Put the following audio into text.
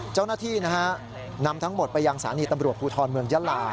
เจ้าหน้าที่นะฮะนำทั้งหมดไปยังสถานีตำรวจภูทรเมืองยะลา